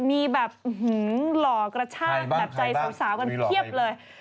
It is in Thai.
มีแบบหล่อกระชากแบบใจสาวกันเพียบเลย